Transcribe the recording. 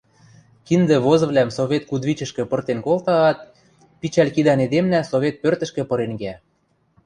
Киндӹ возывлӓм совет кудывичӹшкӹ пыртен колтаат, пичӓл кидӓн эдемнӓ совет пӧртӹшкӹ пырен кеӓ.